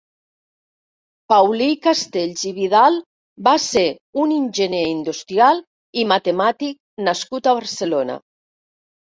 Paulí Castells i Vidal va ser un enginyer industrial i matemàtic nascut a Barcelona.